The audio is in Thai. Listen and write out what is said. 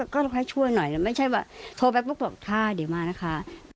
ก็ให้ช่วยหน่อยแต่ไม่ใช่ว่าโทรไปปุ๊บบอกค่ะเดี๋ยวมานะคะ